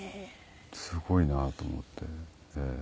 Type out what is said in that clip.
すごいなと思ってええ。